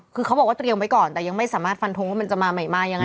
คือเขาบอกว่าเตรียมไว้ก่อนแต่ยังไม่สามารถฟันทงว่ามันจะมาใหม่มายังไง